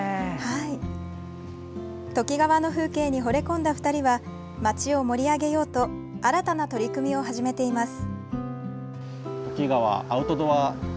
ときがわの風景にほれ込んだ２人は町を盛り上げようと新たな取り組みを始めています。